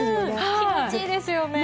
気持ちいいですよね。